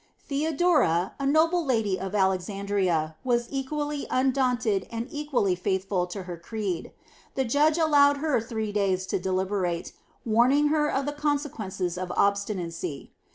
Theodora, a noble lady of Alexandria, was equally undaunted and equally faithful to her creed. The judge allowed her three days to deliberate, warning her of the consequences of obstinacy.